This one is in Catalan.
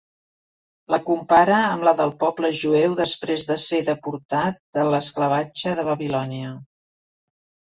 La compara amb la del poble jueu després de ser deportat de l'esclavatge de Babilònia.